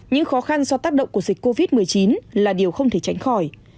những khó khăn do tác động của dịch covid một mươi chín là điều không thể tránh khỏi